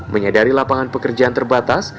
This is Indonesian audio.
menyadari lapangan pekerjaan terbatas